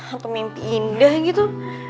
atau mimpi indah gitu